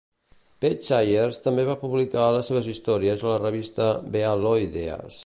Peig Sayers també va publicar les seves històries a la revista "Béaloideas".